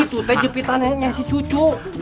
itu orange tapi ada besides yang disini ma